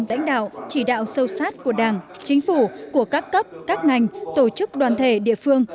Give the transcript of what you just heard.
lãnh đạo chỉ đạo sâu sát của đảng chính phủ của các cấp các ngành tổ chức đoàn thể địa phương